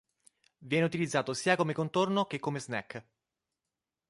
Viene utilizzato sia come contorno che come snack.